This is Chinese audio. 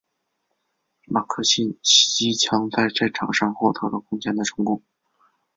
马克沁机枪在战场上获得了空前的成功。